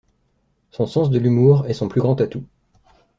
Son sens de l'humour est son plus grand atout.